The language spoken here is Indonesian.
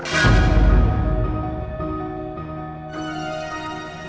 aku nyalain mama dulu ya